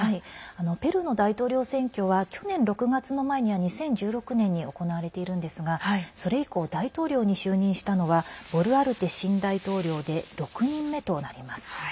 ペルーの大統領選挙は去年６月の前には２０１６年に行われているんですがそれ以降、大統領に就任したのはボルアルテ新大統領で６人目となります。